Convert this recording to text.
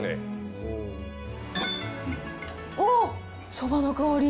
そばの香り。